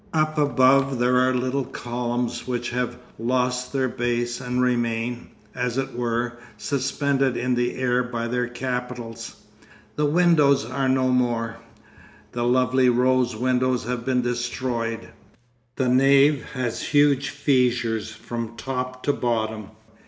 Up above there are little columns which have lost their base and remain, as it were, suspended in the air by their capitals. The windows are no more; the lovely rose windows have been destroyed; the nave has huge fissures from top to bottom.